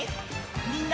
みんな！